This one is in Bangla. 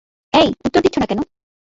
এই, উত্তর দিচ্ছ না কেন?